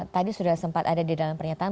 tadi sudah sempat ada di dalam pernyataan